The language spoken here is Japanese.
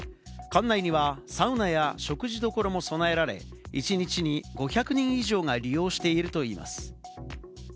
館内にはサウナや食事処も備えられ、１日に５００人以上が利用しているといいます。